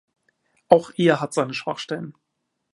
Auch er hat seine Schwachstellen.